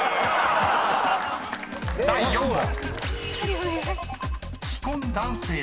［第４問］